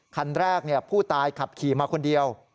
คันแรกผู้ตายขับขี่มาคนเดียว